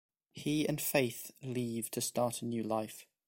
He and Faith leave to start a new life.